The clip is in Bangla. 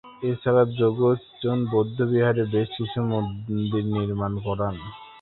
এছাড়া তিনি র্দ্জোগ্স-ছেন বৌদ্ধবিহারে বেশ কিছু মন্দির নির্মাণ করান।